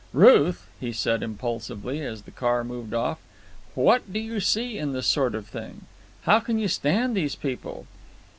"Ruth," he said impulsively, as the car moved off, "what do you see in this sort of thing? How can you stand these people?